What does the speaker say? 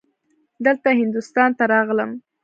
دلته هندوستان ته راغلم.